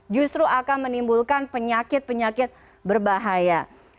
justru akan menimbulkan penyakit penyakit berbahaya